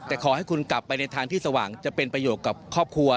แต่ขอให้คุณกลับไปในทางที่สว่างจะเป็นประโยชน์กับครอบครัว